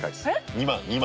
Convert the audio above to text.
２万２万！